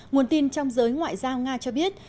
nguồn tin trong giới ngoại giao nga cho biết